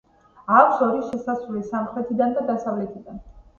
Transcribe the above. აქვს ორი შესასვლელი სამხრეთიდან და დასავლეთიდან.